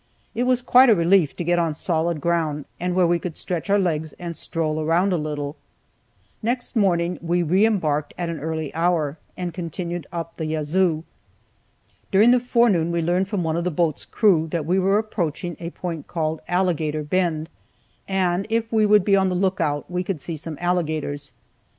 It was quite a relief to get on solid ground, and where we could stretch our legs and stroll around a little. Next morning we re embarked at an early hour, and continued up the Yazoo. During the forenoon we learned from one of the boat's crew that we were approaching a point called "Alligator Bend," and if we would be on the lookout we would see some alligators.